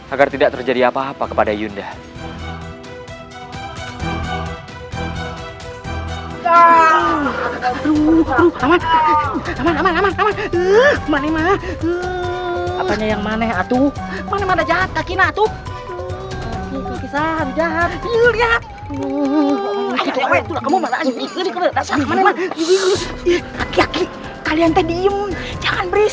agar tidak terjadi apa apa kepada yunda